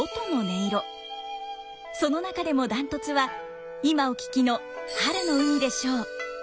その中でもダントツは今お聴きの「春の海」でしょう。